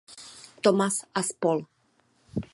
Thomas a spol.